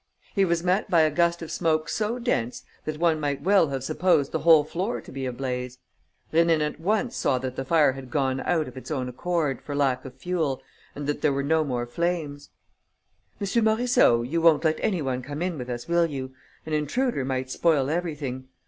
He was met by a gust of smoke so dense that one might well have supposed the whole floor to be ablaze. Rénine at once saw that the fire had gone out of its own accord, for lack of fuel, and that there were no more flames: "M. Morisseau, you won't let any one come in with us, will you? An intruder might spoil everything.